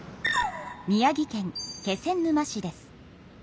宮城県気仙沼市です。